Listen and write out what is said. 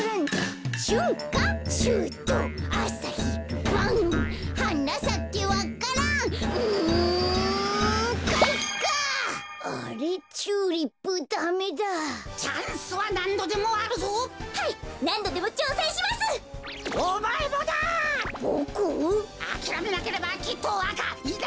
あきらめなければきっとわかいや！